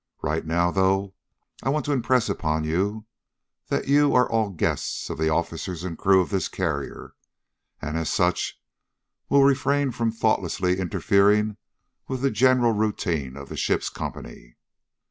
Right now, though, I want to impress upon you that you are all guests of the officers and crew of this carrier, and as such will refrain from thoughtlessly interfering with the general routine of the ship's company."